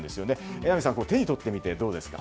榎並さん手に取ってみてどうですか？